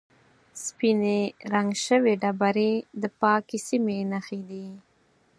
سپینې رنګ شوې ډبرې د پاکې سیمې نښې دي.